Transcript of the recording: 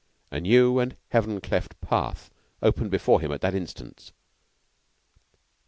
A new and heaven cleft path opened before him that instant.